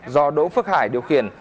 do đỗ phước hải điều khiển